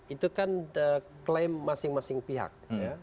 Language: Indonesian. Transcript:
itu kan klaim masing masing pihak